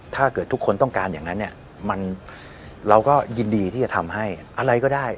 ถ้าเกิดทุกคนต้องการอย่างนั้นเนี่ยเราก็ยินดีที่จะทำให้อะไรก็ได้